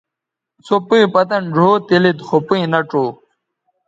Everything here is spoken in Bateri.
سو پئیں پتَن ڙھؤ تے لید خو پئیں نہ ڇؤ